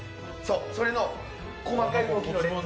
それの細かい動きの連続。